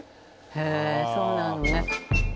へぇそうなのね。